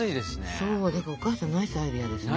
そうだからお母さんナイスアイデアですね。